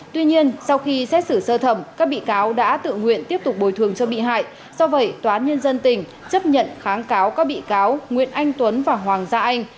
tuy nhiên sau khi xét xử sơ thẩm các bị cáo đã tự nguyện tiếp tục bồi thường cho bị hại do vậy toán nhân dân tỉnh chấp nhận kháng cáo các bị cáo nguyễn anh tuấn và hoàng gia anh